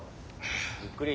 ・ゆっくり。